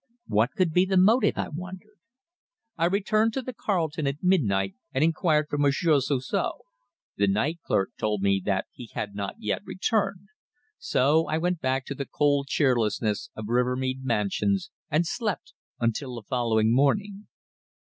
What could be the motive, I wondered? I returned to the Carlton at midnight and inquired for Monsieur Suzor. The night clerk told me that he had not yet returned. So I went back to the cold cheerlessness of Rivermead Mansions, and slept until the following morning.